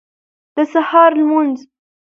د سهار لمونځ